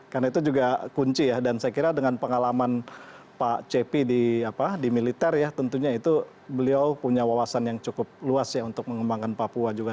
karena itu juga kunci ya dan saya kira dengan pengalaman pak cp di militer ya tentunya itu beliau punya wawasan yang cukup luas ya untuk mengembangkan papua juga